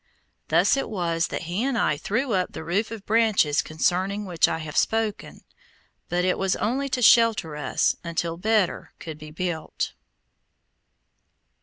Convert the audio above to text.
Thus it was that he and I threw up the roof of branches concerning which I have spoken; but it was only to shelter us until better could be built.